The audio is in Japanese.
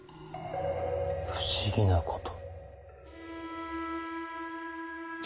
不思議なこと。